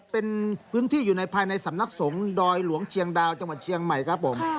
เป็นพื้นที่อยู่ในภายในสำนักสงฆ์ดอยหลวงเชียงดาวจังหวัดเชียงใหม่ครับผม